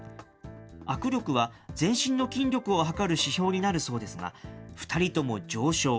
握力は全身の筋力を測る指標になるそうですが、２人とも上昇。